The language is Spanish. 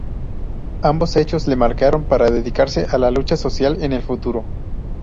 Ambos hechos le marcaron para dedicarse a la lucha social en el futuro.